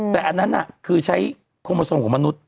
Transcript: แต่อันนั้นคือใช้โคมทรงของมนุษย